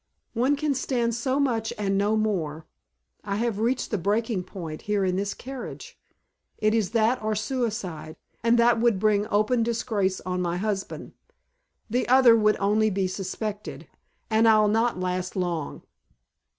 "One can stand so much and no more. I have reached the breaking point here in this carriage. It is that or suicide, and that would bring open disgrace on my husband. The other would only be suspected. And I'll not last long."